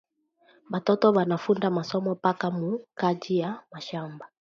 Batoto bana funda masomo paka mu kaji ya mashamba